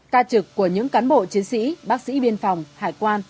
ca trực của những cán bộ chiến sĩ bác sĩ biên phòng hải quan